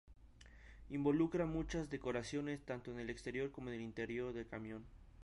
Involucra muchas decoraciones, tanto en el exterior como en el interior del camión.